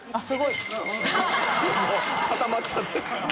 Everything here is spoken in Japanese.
もう固まっちゃって